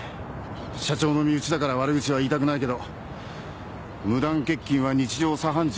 社長の身内だから悪口は言いたくないけど無断欠勤は日常茶飯事。